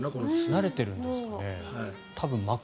慣れてるんですかね。